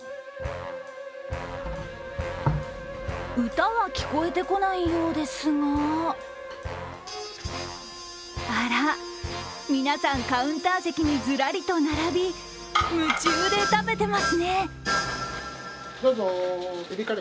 歌は聞こえてこないようですがあら、皆さんカウンター席にずらりと並び、夢中で食べていますね。